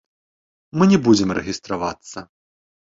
Мы не будзем рэгістравацца.